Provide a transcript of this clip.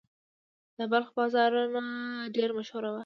د بلخ بازارونه ډیر مشهور وو